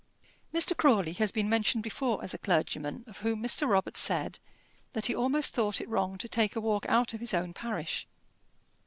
Mr. Crawley has been mentioned before as a clergyman of whom Mr. Robarts said, that he almost thought it wrong to take a walk out of his own parish.